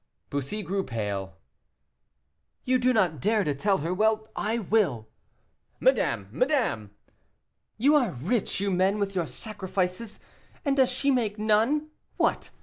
Bussy grew pale. "You do not dare to tell her; well, I will." "Madame! madame!" "You are rich, you men, with your sacrifices. And does she make none? What!